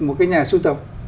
một cái nhà sưu tập